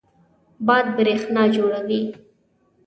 باد برېښنا جوړوي.